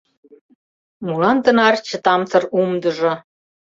Молан тынар чытамсыр умдыжо?»